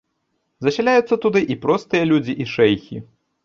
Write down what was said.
Засяляюцца туды і простыя людзі, і шэйхі.